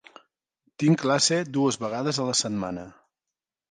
Tinc classe dues vegades la setmana.